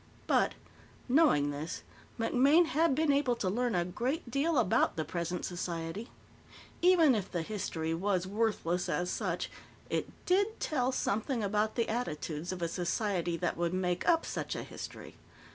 But, knowing this, MacMaine had been able to learn a great deal about the present society. Even if the "history" was worthless as such, it did tell something about the attitudes of a society that would make up such a history.